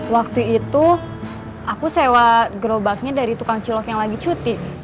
waktu itu aku sewa gerobaknya dari tukang cilok yang lagi cuti